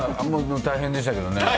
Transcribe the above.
大変でしたけどね。